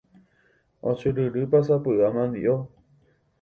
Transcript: Ochyryrypa sapy'a mandi'o